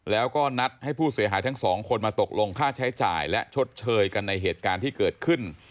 แล้วก็นัดให้ผู้เสียหายทั้งสองคนมาตกลงค่าใช้จ่ายและชดเชยกันในเหตุการณ์ที่เกิดขึ้น